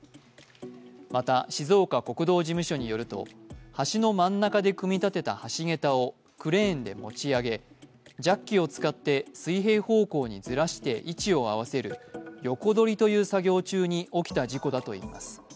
また、静岡国道事務所によると橋の真ん中で組み立てた橋桁をクレーンで持ち上げジャッキを使って水平方向にずらして位置を合わせる、横取りという作業中に起きた事故だといいます。